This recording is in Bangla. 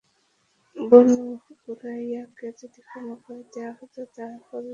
বনু কুরাইযাকে যদি ক্ষমা করে দেয়া হত তা হলে তা হত সাংঘাতিক বোকামির কাজ।